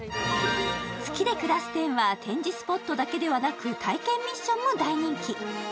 月でくらす展は展示スポットだけではなく体験ミッションも大人気。